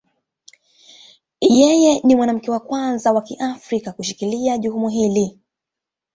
Yeye ni mwanamke wa kwanza wa Kiafrika kushikilia jukumu hili.